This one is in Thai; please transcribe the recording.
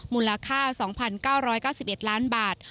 มูลค่า๒๙๙๑ล้านบาท